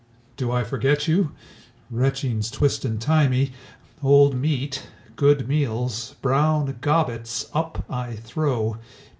Do I forget you? Retchings twist and tie me, Old meat, good meals, brown gobbets, up I throw.